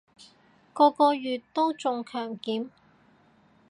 個個月都中強檢